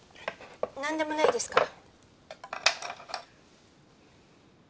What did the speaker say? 何でもないですから。